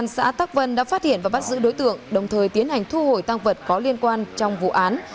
giữ đối tượng đồng thời tiến hành thu hồi tăng vật có liên quan trong vụ án